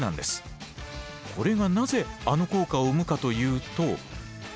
これがなぜあの効果を生むかというと。